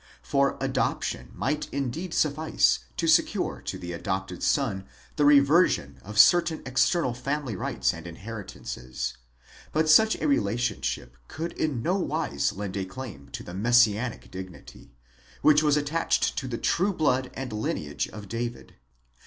For adoption might indeed suffice to secure to the adopted son the reversion of certain external family rights and inheritances ; but such a relationship could in no wise lend a claim to the Messianic dignity, which was attached to the true blood and lineage of David.